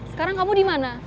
sekarang kamu dimana